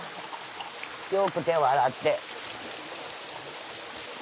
よく手を洗って。